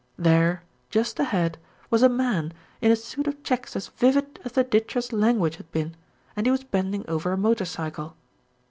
There, just ahead, was a man, in a suit of checks as vivid as the ditcher's language had been, and he was bending over a motor cycle.